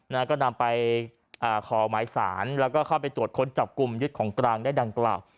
นะฮะก็นำไปอ่าขอหมายสารแล้วก็เข้าไปตรวจค้นจับกลุ่มยึดของกลางได้ดังกล่าว